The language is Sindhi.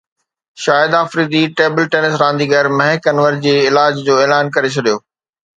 شاهد فريدي ٽيبل ٽينس رانديگر مهڪ انور جي علاج جو اعلان ڪري ڇڏيو